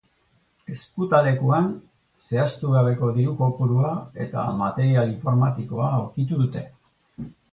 Ezkutalekuan zehaztu gabeko diru kopurua eta material informatikoa aurkitu dute.